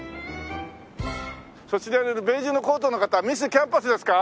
そちらにいるベージュのコートの方ミスキャンパスですか？